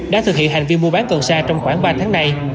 đã thực hiện hành vi mua bán cần xa trong khoảng ba tháng nay